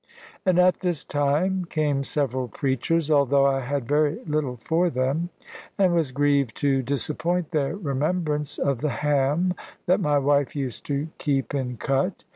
And at this time came several preachers; although I had very little for them, and was grieved to disappoint their remembrance of the ham that my wife used to keep in cut.